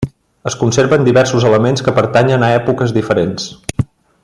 Es conserven diversos elements que pertanyen a èpoques diferents.